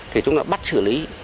thì chúng đã bắt xử lý